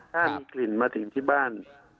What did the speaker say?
ถ้ามีกลิ่นมาถึงที่บ้าน